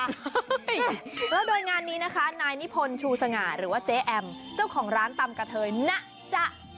แล้วโดยงานนี้นะคะนายนิพนธ์ชูสง่าหรือว่าเจ๊แอมเจ้าของร้านตำกะเทยนะจ๊ะ